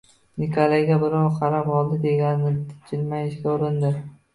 Nikolayga birrov qarab oldi, negadir jilmayishga urindi